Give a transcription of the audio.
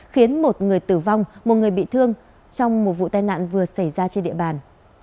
khiến một người tử vong một người bị thương trong một vụ tai nạn vừa xảy ra trên địa bàn